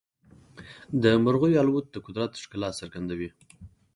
د مرغیو الوت د قدرت ښکلا څرګندوي.